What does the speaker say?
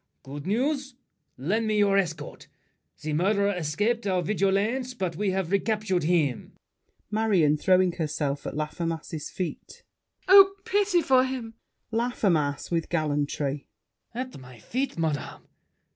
Good news! Lend me your escort. The murderer escaped Our vigilance, but we've recaptured him. MARION (throwing herself at Laffemas's feet). Oh, pity for him! LAFFEMAS (with gallantry). At my feet, madame!